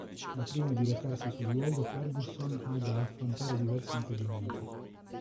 Ma prima di recarsi sul luogo Fergusson ha da affrontare diversi impedimenti.